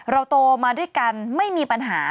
โตมาด้วยกันไม่มีปัญหา